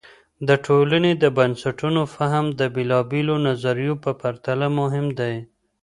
د ټولنې د بنسټونو فهم د بېلابیلو نظریو په پرتله مهم دی.